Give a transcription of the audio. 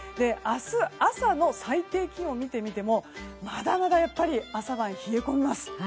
明日朝の最低気温を見てみてもまだまだ朝晩、冷え込みます。